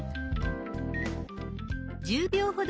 １０秒ほど待ち